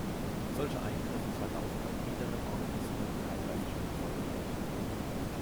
Solche Eingriffe verlaufen bei niederen Organismen teilweise schon erfolgreich.